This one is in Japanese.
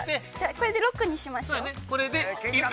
◆これで６にしましょう。